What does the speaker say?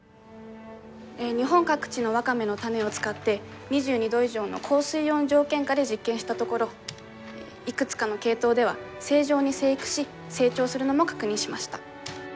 日本各地のワカメの種を使って２２度以上の高水温条件下で実験したところいくつかの系統では正常に生育し成長するのも確認しました。